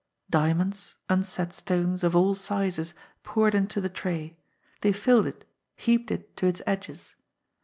Diamonds, unset stones, of all sizes, poured into the tray ; they filled it, heaped it to its edges.